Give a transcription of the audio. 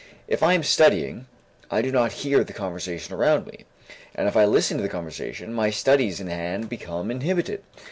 If I am studying, I do not hear the conversation around me, and if I listen to the conversation, my studies in hand become inhibited.